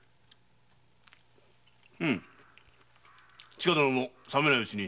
千加殿も冷めないうちに。